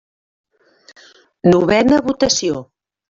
Novena votació.